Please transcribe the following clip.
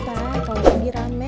kalau lagi rame